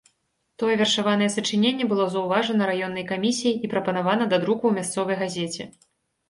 Тое вершаванае сачыненне было заўважана раённай камісіяй і прапанавана да друку ў мясцовай газеце.